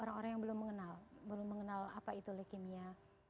orang orang yang belum mengenal belum mengenal apa itu leukemia